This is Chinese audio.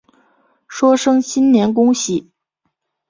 说声新年恭喜